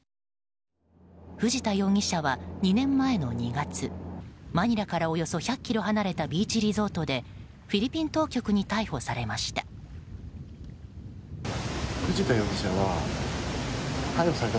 藤田容疑者は２年前の２月マニラからおよそ１００ｋｍ離れたビーチリゾートでフィリピン当局に逮捕されました。